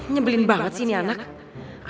nyebelin banget sih ini anaknya